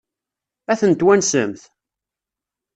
Ad ten-twansemt?